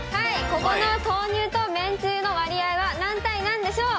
ここの豆乳とめんつゆの割合は何対何でしょう？